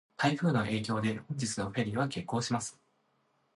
台風の影響で、本日のフェリーは欠航します。